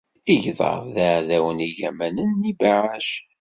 Igḍaḍ d iɛdawen igamanen n yebɛac.